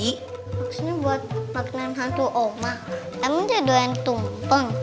maksudnya buat makanan hantu oma emang jadi doyan tumpeng